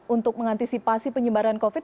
untuk mengantisipasi penyebaran covid